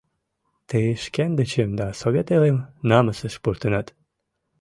— Тый шкендычым да Совет элым намысыш пуртенат.